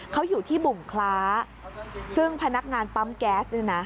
เขาอยู่ที่บุ่งคล้าซึ่งพนักงานปั๊มแก๊สเนี่ยนะ